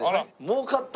もう買った。